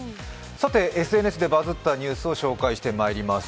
ＳＮＳでバズったニュースを紹介してまいります。